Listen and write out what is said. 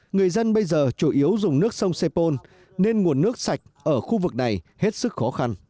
người dân bây giờ chủ yếu dùng nước sông sepol nên nguồn nước sạch ở khu vực này hết sức khó khăn